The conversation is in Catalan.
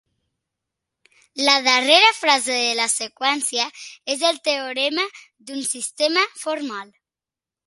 La darrera frase de la seqüència és el teorema d'un sistema formal.